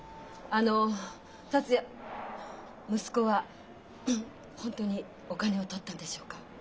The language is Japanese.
あの達也息子は本当にお金を盗ったんでしょうか？